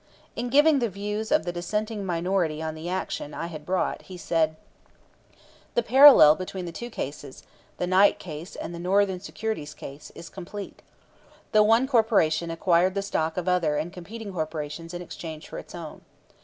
In giving the views of the dissenting minority on the action I had brought, he said: "The parallel between the two cases [the Knight case and the Northern Securities case] is complete. The one corporation acquired the stock of other and competing corporations in exchange for its own.